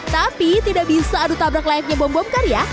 tapi tidak bisa adu tabrak layaknya bom bom karya